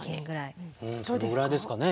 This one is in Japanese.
うんそのぐらいですかね。